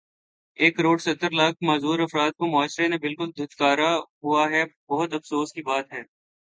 ایک کڑوڑ ستر لاکھ معذور افراد کو معاشرے نے بلکل دھتکارا ہوا ہے بہت افسوس کی بات ہے